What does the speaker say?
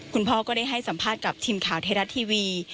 คุณพ่อก็ได้ให้สัมภาษณ์กับทีมข่าวไทยรัฐทีวี